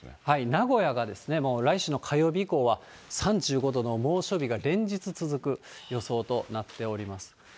名古屋がもう来週の火曜日以降は、３５度の猛暑日が連日続く予想となっております。